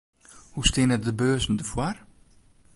Hoe steane de beurzen derfoar?